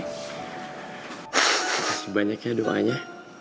kasih banyaknya doanya